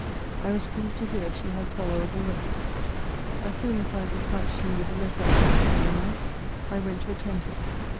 I was pleased to hear she had tolerable rest. As soon as I had dispatched him with the letter I had written over night, I went to attend her.